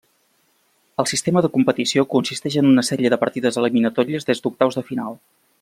El sistema de competició consisteix en una sèrie de partides eliminatòries des d'octaus de final.